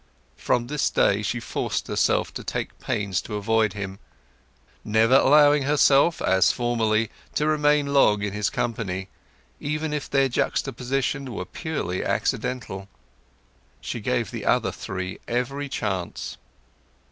From this day she forced herself to take pains to avoid him—never allowing herself, as formerly, to remain long in his company, even if their juxtaposition were purely accidental. She gave the other three every chance.